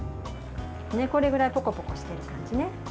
これぐらいぽこぽこしてる感じね。